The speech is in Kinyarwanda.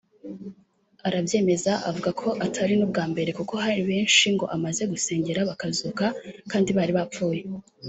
arabyemeza avuga ko atari n’ubwa mbere kuko hari benshi ngo amaze gusengera bakazuka kandi bari bapfuye